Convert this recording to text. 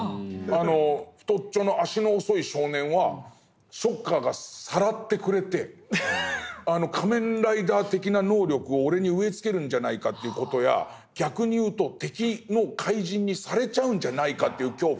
太っちょの足の遅い少年はショッカーがさらってくれて仮面ライダー的な能力を俺に植え付けるんじゃないかという事や逆に言うと敵の怪人にされちゃうんじゃないかという恐怖や。